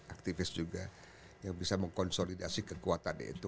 aktivis juga yang bisa mengkonsolidasi kekuatan itu